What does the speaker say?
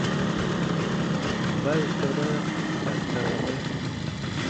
Mban sɔ̃na n ka sãa mɛ ?